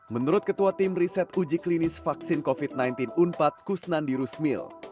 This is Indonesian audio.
menurut ketua tim riset uji klinis vaksin covid sembilan belas unpad kusnandi rusmil